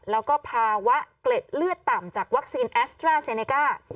แล้วก็ภาวะเกล็ดเลือดต่ำจากวัคซีนแอสตราเซเนก้า